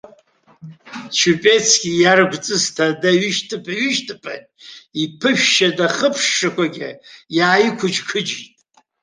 Чупецки иаргәҵысҭа ада ҩышьҭԥа-ҩышьҭԥан, иԥышә-шьада хыԥшшақәагьы ааиқәықыџь-қыџьит.